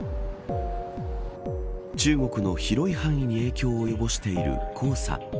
中国の広い範囲に影響を及ぼしている黄砂。